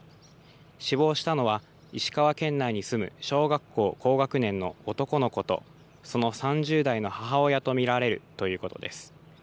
死亡したのは、石川県内に住む小学校高学年の男の子と、その３０代の母親と見られるということです。